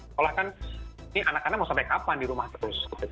sekolah kan ini anak anak mau sampai kapan di rumah terus